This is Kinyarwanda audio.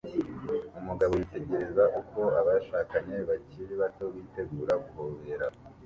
Umugabo yitegereza uko abashakanye bakiri bato bitegura guhobera